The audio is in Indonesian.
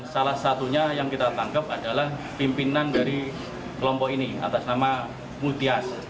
salah satunya yang kita tangkap adalah pimpinan dari kelompok ini atas nama mutias